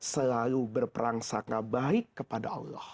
selalu berperang saka baik kepada allah